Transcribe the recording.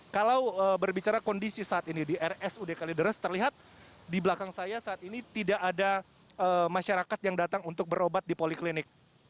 kalau berbicara kondisi saat ini di rsud kalideres terlihat di belakang saya saat ini tidak ada masyarakat yang datang untuk berobat di poliklinik